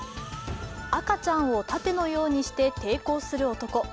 赤ちゃんを盾のようにして抵抗する男。